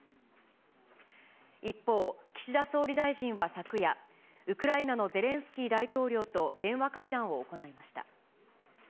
一方、岸田総理大臣は昨夜、ウクライナのゼレンスキー大統領と電話会談を行いました。